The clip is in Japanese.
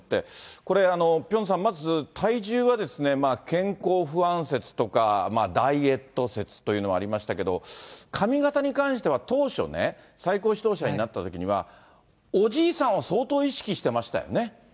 これ、ピョンさん、まず体重は健康不安説とかダイエット説というのがありましたけど、髪形に関しては、当初ね、最高指導者になったときはおじいさんを相当意識してましたよね。